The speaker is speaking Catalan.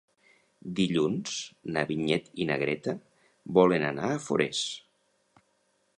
Dilluns na Vinyet i na Greta volen anar a Forès.